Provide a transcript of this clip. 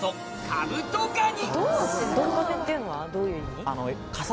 カブトガニ